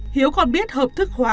hiếu còn biết hợp thức hóa